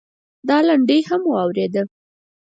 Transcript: دا لنډۍ هم واورېده.